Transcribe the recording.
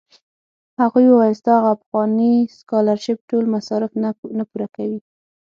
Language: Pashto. هغوی ویل ستا هغه پخوانی سکالرشېپ ټول مصارف نه پوره کوي.